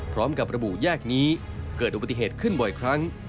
พร้อมกับระบุแยกนี้เกิดอุบัติเหตุขึ้นบ่อยครั้ง